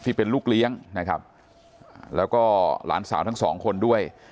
ที่เป็นลูกเลี้ยงนะครับแล้วก็หลานสาวทั้งสองคนด้วย